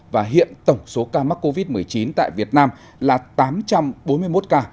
và hiện tổng số ca mắc covid một mươi chín tại việt nam là tám trăm bốn mươi một ca